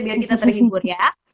biar kita terhibur ya